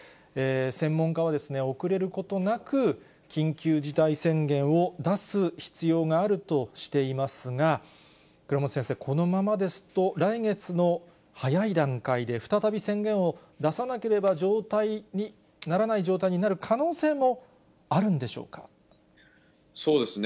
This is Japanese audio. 専門家は、遅れることなく緊急事態宣言を出す必要があるとしていますが、倉持先生、このままですと、来月の早い段階で、再び宣言を出さなければならない状態になる可能性もあるんでしょそうですね。